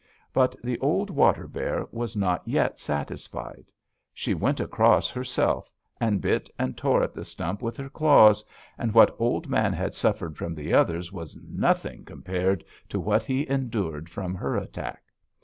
"But the old water bear was not yet satisfied. She went across herself, and bit and tore at the stump with her claws, and what Old Man had suffered from the others was nothing compared to what he endured from her attack.